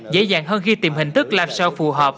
dễ dàng hơn khi tìm hình thức làm sao phù hợp